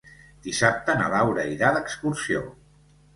Dissabte na Laura irà d'excursió.